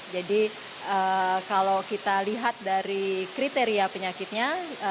jadi kalau kita lihat dari kriteria penyakitnya